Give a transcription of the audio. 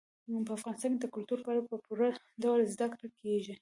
په افغانستان کې د کلتور په اړه په پوره ډول زده کړه کېږي.